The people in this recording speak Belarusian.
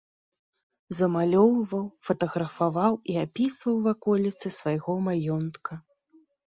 Замалёўваў, фатаграфаваў і апісваў ваколіцы свайго маёнтка.